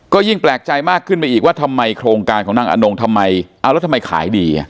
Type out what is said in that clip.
ก็ยิ่งแปลกใจมากขึ้นไปอีกว่าทำไมโครงการของนางอนงทำไมเอาแล้วทำไมขายดี